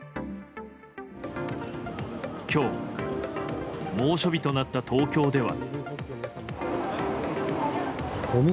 今日猛暑日となった東京では。